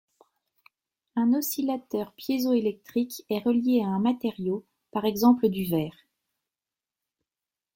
Un oscillateur piézo-électrique est relié à un matériau, par exemple du verre.